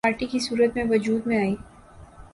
party کی صورت میں وجود میں آئی